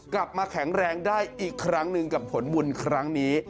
กลับมาแข็งแรงได้อีกครั้งหนึ่งกับผลบุญครั้งนี้